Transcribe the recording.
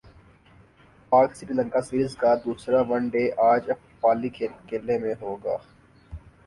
پاک سری لنکا سیریز کا دوسرا ون ڈے اج پالی کیلے میں ہوگا